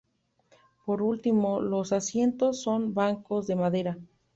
Por último, los asientos, son bancos de madera.